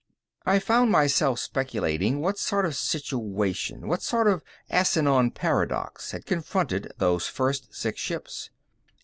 I found myself speculating what sort of situation, what sort of Asenion paradox, had confronted those first six ships.